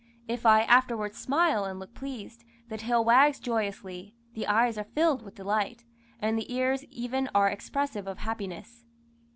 If I afterwards smile and look pleased, the tail wags joyously, the eyes are filled with delight, and the ears even are expressive of happiness.